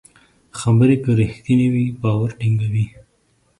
خبرې که رښتینې وي، باور ټینګوي.